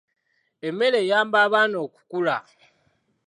Emmere eyamba abaana okukula.